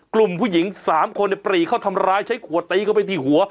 กลุ่มผู้หญิง๓คนปรีเข้าทำร้ายใช้ขวดตีเข้าไปที่หัว